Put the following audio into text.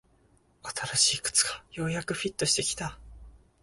新しい靴がようやくフィットしてきた